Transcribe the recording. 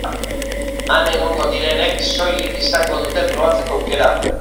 Han egongo direnek soilik izango dute probatzeko aukera.